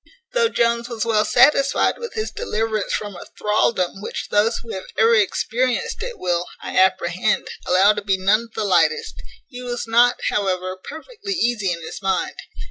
Though Jones was well satisfied with his deliverance from a thraldom which those who have ever experienced it will, I apprehend, allow to be none of the lightest, he was not, however, perfectly easy in his mind.